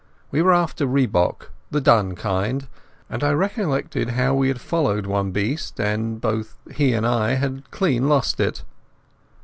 We were after rhebok, the dun kind, and I recollected how we had followed one beast, and both he and I had clean lost it.